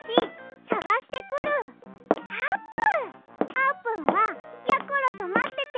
あーぷんはやころとまってて！